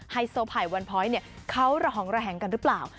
ไฮโซไผ่วันพร้อยเนี่ยเขาร้องระแหงกันหรือเปล่า